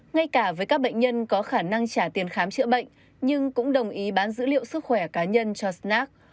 ngay cả với các bệnh nhân có khả năng trả tiền khám chữa bệnh nhưng cũng đồng ý bán dữ liệu sức khỏe cá nhân cho snack